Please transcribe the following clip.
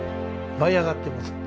舞い上がってます。